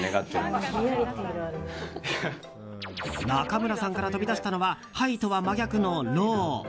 中村さんから飛び出したのはハイとは真逆のロー。